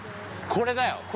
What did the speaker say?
これだよ。